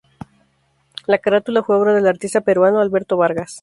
La carátula fue obra del artista peruano Alberto Vargas.